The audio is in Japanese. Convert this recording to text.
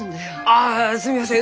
ああすみません！